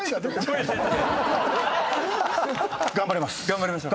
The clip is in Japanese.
頑張ります！